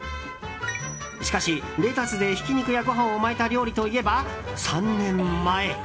しかし、レタスでひき肉やご飯を巻いた料理といえば３年前。